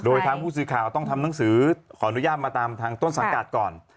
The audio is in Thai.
โดยทางผู้สื่อข่าวต้องทำหนังสือขออนุญาตมาตามทางต้นสังกัดก่อน